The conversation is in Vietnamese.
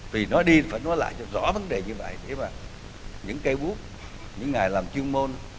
vì nói đi phải nói lại cho rõ vấn đề như vậy để mà những cây bút những ngài làm chuyên môn